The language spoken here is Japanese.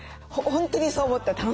本当にそう思った。